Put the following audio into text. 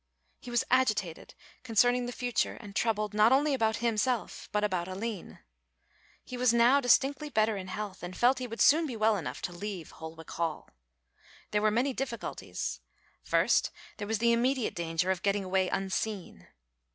He was agitated concerning the future and troubled not only about himself but about Aline. He was now distinctly better in health and felt that he would soon be well enough to leave Holwick Hall. There were many difficulties. First there was the immediate danger of getting away unseen.